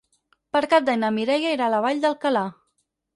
Per Cap d'Any na Mireia irà a la Vall d'Alcalà.